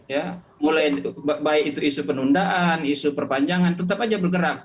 ya mulai baik itu isu penundaan isu perpanjangan tetap aja bergerak